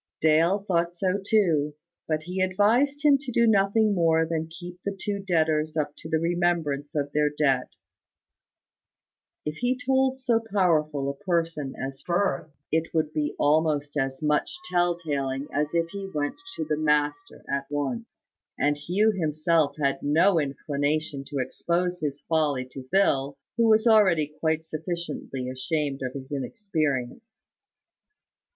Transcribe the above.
Dale thought so too; but he advised him to do nothing more than keep the two debtors up to the remembrance of their debt. If he told so powerful a person as Firth, it would be almost as much tale telling as if he went to the master at once; and Hugh himself had no inclination to expose his folly to Phil, who was already quite sufficiently ashamed of his inexperience.